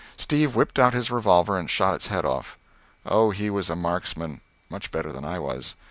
Steve whipped out his revolver and shot its head off. Oh, he was a marksman much better than I was.